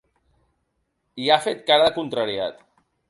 I ha fet cara de contrariat.